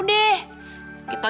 kita nggak tahu